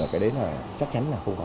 cái đấy chắc chắn là không có